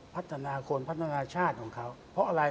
พัฒนาคนพัฒนาชาติของเขาเพราะอะไร